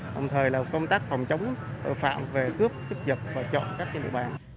đồng thời là công tác phòng chống phạm về cướp xích dập và chọn các địa bàn